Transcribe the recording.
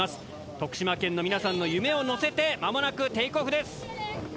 徳島県の皆さんの夢を乗せてまもなくテイクオフです！